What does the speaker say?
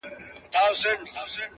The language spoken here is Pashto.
زه سم پء اور کړېږم ستا په محبت شېرينې;